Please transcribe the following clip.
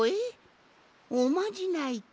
おまじないとな？